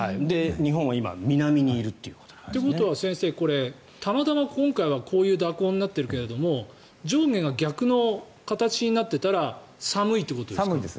日本は今、南にいると。ということはたまたま今回はこういう蛇行になってるけど上下が逆の形になっていたら寒いです。